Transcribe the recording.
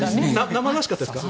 生々しかったですか？